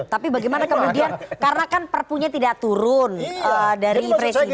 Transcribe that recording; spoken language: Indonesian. tapi bagaimana kemudian karena kan perpunya tidak turun dari presiden